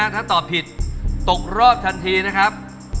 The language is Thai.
ถ้าตอบผิดตกรอบทันทีนะครับ